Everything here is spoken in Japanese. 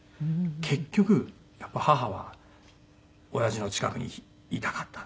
結局やっぱ母はおやじの近くにいたかったんです。